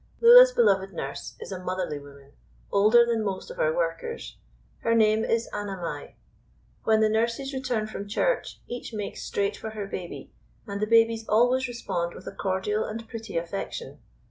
Lulla's beloved nurse is a motherly woman, older than most of our workers. Her name is Annamai. When the nurses return from church, each makes straight for her baby; and the babies always respond with a cordial and pretty affection.